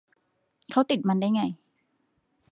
เขาติดมันได้ยังไง